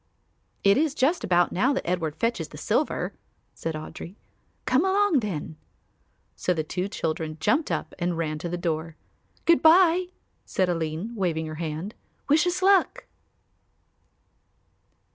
"It is just about now that Edward fetches the silver," said Audry. "Come along then." So the two children jumped up and ran to the door. "Good bye," said Aline, waving her hand, "wish us luck."